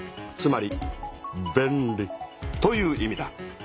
つまり便利という意味だ。